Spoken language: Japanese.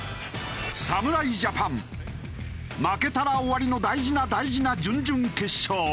侍ジャパン負けたら終わりの大事な大事な準々決勝。